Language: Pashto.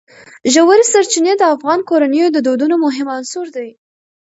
ژورې سرچینې د افغان کورنیو د دودونو مهم عنصر دی.